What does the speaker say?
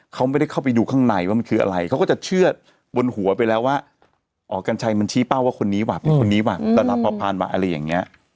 เขาไม่ได้เข้าไปดูข้างในว่ามันคืออะไรเขาก็จะเชื่อบนหัวไปแล้วว่าอ๋อกัญชัยมันชี้เป้าว่าคนนี้ว่ะเป็นคนนี้ว่ะต้อนรับพอพานว่ะอะไรอย่างนี้